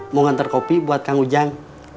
mau ngantar kopi buat kang ujang